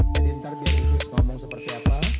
jadi ntar biar idris ngomong seperti apa